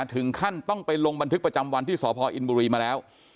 ถึงขั้นต้องไปลงบันทึกประจำวันที่สพอินบุรีมาแล้ว